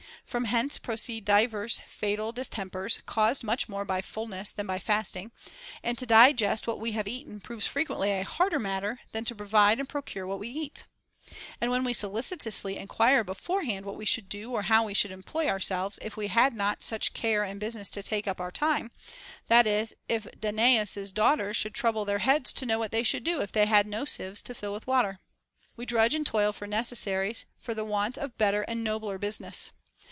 From hence pro ceed divers fatal distempers caused much more by fulness than by fasting ; and to digest what we have eaten proves frequently a harder matter than to provide and procure what we eat. And when we solicitously enquire before hand what we should do or how we should employ our selves if we had not such care and business to take up our time, this is as if Danaus's daughters should trouble their heads to know what they should do if they had no sieves to fill with water. We drudge and toil for necessaries, for want of better and nobler business.